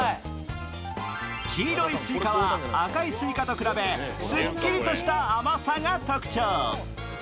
黄色いすいかは、赤いすいかと比べすっきりとした甘さが特徴。